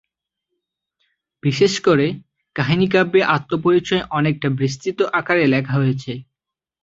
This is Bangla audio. বিশেষ করে, কাহিনীকাব্যে আত্মপরিচয় অনেকটা বিস্তৃত আকারে লেখা হয়েছে।